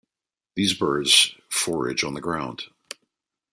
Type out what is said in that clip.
These birds forage on the ground.